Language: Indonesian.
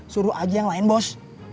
suruh aja yang lain bos